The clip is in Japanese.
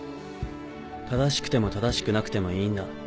正しくても正しくなくてもいいんだ。